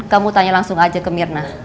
kamu tanya langsung aja ke mirna